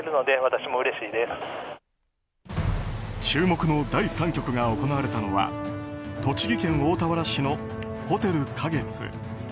注目の第３局が行われたのは栃木県大田原市のホテル花月。